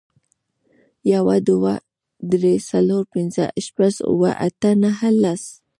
یو, دوه, درې, څلور, پنځه, شپږ, اووه, اته, نه, لس